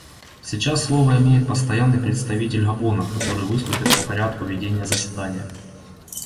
Сейчас слово имеет Постоянный представитель Габона, который выступит по порядку ведения заседания.